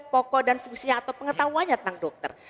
pokok dan fungsinya atau pengetahuannya tentang dokter